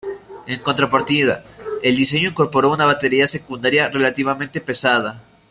En contrapartida, el diseño incorporó una batería secundaria relativamente pesada.